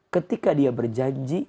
ketika dia berjanji